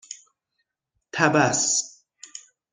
طبس